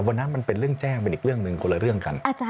มันเป็นเรื่องแจ้งเป็นอีกเรื่องหนึ่งคนละเรื่องกัน